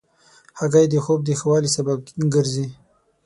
هګۍ د خوب د ښه والي سبب ګرځي.